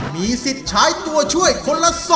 มีสิทธิ์ใช้ตัวช่วยคนละ๒